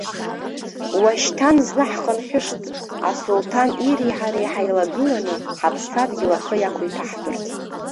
Уашьҭан зны ҳхынҳәышт, асулҭан ири ҳареи ҳаилагыланы, ҳаԥсадгьыл ахы иақәиҭаҳтәырц!